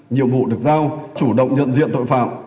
nhiệm vụ được giao chủ động nhận diện tội phạm